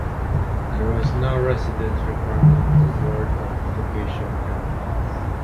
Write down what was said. There was no residency requirement for Board of Education candidates.